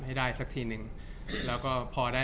จากความไม่เข้าจันทร์ของผู้ใหญ่ของพ่อกับแม่